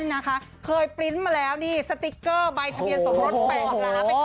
นี่นะคะเคยวิน้ำมาแล้วนี่สติกเกอร์ไปก่อน